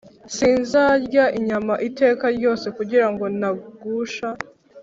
sinzarya inyama iteka ryose kugira ngo ntagusha